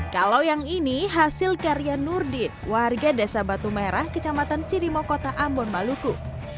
kalau yang ini hasil karya nurdin warga desa batu merah kecamatan sirimo kota ambon maluku